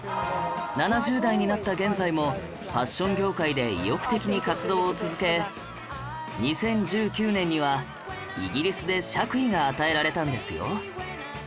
７０代になった現在もファッション業界で意欲的に活動を続け２０１９年にはイギリスで爵位が与えられたんですよ